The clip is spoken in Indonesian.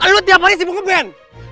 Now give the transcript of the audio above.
lo tiap hari sibuk ngeblend